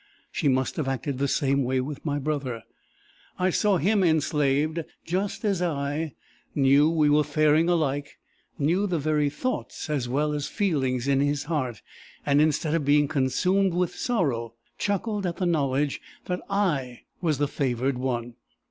She must have acted the same way with my brother. I saw him enslaved just as I knew we were faring alike knew the very thoughts as well as feelings in his heart, and instead of being consumed with sorrow, chuckled at the knowledge that I was the favoured one!